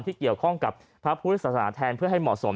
ที่เกี่ยวข้องกับพระพุทธศาสนาแทนเพื่อให้เหมาะสม